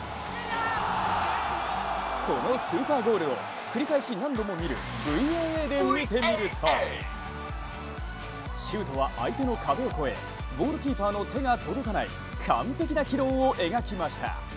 このスーパーゴールを繰り返し何度も見るＶＡＡで見てみるとシュートは相手の壁を越え、ゴールキーパーの手が届かない完璧な軌道を描きました。